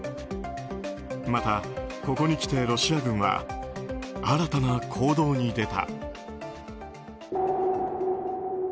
また、ここにきてロシア軍は新たな行動に出た。